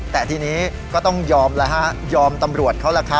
แต่ทีนี้ก็ต้องยอมแล้วฮะยอมตำรวจเขาล่ะครับ